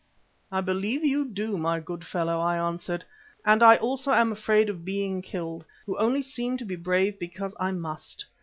"I believe you do, my good fellow," I answered, "and I also am afraid of being killed, who only seem to be brave because I must.